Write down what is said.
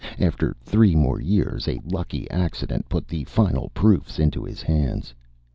After three more years, a lucky accident put the final proofs into his hands.